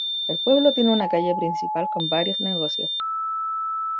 El pueblo tiene una calle principal con varios negocios.